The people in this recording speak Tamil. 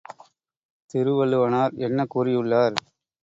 திருவள்ளுவனார் என்ன கூறியுள்ளார்?